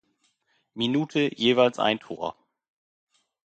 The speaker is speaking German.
Minute jeweils ein Tor.